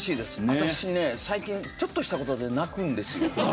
私ね最近ちょっとした事で泣くんですよ。